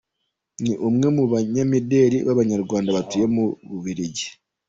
Ni umwe mu banyamideli b’Abanyarwanda batuye mu Bubiligi.